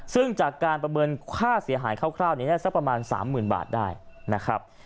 ซึ่งจากการประเมินค่าเสียหายคร่าวนี้สักประมาณ๓๐๐๐บาทได้นะครับ